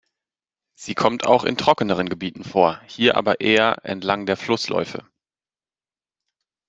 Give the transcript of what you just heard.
Sie kommt auch in trockeneren Gebieten vor, hier aber eher entlang der Flussläufe.